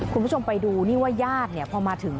คุณผู้ชมไปดูนี่ว่าญาติพอมาถึง